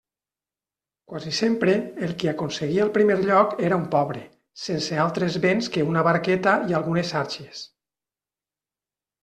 Quasi sempre, el qui aconseguia el primer lloc era un pobre, sense altres béns que una barqueta i algunes xàrcies.